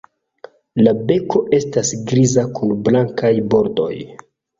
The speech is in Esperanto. La beko estas griza kun blankaj bordoj.